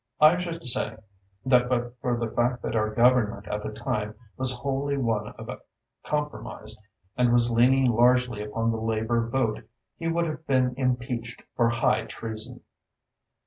I should say that but for the fact that our Government at the time was wholly one of compromise, and was leaning largely upon the Labour vote, he would have been impeached for high treason."